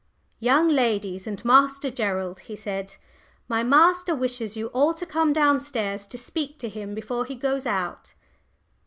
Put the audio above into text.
"Young ladies and Master Gerald," he said, "my master wishes you all to come down stairs to speak to him before he goes out."